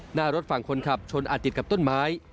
หน้ารถฝั่งคนขับชนอาจติดกับต้นไม้